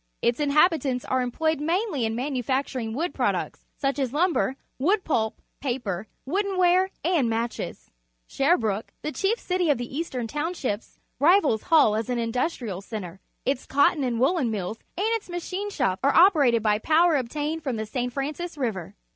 Its inhabitants are employed mainly in manufacturing wood products, such as lum ber, wood pulp, paper, woodenware, and matches. Shcrbrookc, the cliief citj^ of the Eastern Townshii)s,rivaIsHull as an industrial centre. Its co tton and woollen mills and its machine shops are operated by power obtained from the *S/. Francis River.